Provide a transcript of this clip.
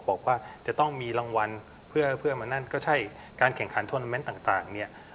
บอกว่าจะต้องมีรางวัลเพื่อมานั่นก็ใช่การแข่งขันทวนาเมนต์ต่างเนี่ย